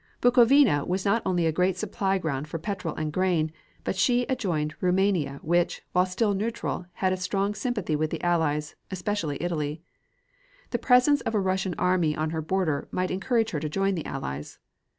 Bukovina was not only a great supply ground for petrol and grain, but she adjoined Roumania which, while still neutral, had a strong sympathy with the Allies, especially Italy. The presence of a Russian army on her border might encourage her to join the Allies.